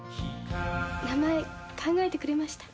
名前考えてくれました？